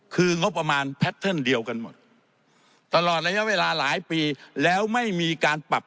คืองบประมาณแพทเทิร์นเดียวกันหมดตลอดระยะเวลาหลายปีแล้วไม่มีการปรับ